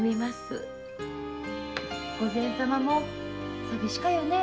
御前様も寂しかよね。